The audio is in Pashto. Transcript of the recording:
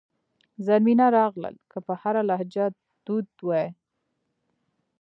زرمینه راغلل که په هره لهجه دود وي.